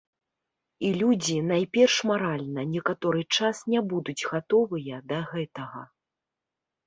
І людзі, найперш маральна, некаторы час не будуць гатовыя да гэтага.